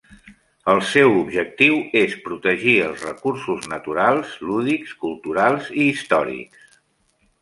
El seu objectiu és protegir els recursos naturals, lúdics, culturals i històrics.